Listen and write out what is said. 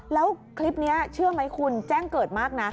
แล้วคลิปนี้เชื่อไหมคุณแจ้งเกิดมากนะ